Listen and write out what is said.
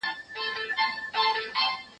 مړی ئې غيم، زه خپل ياسين پر تېزوم.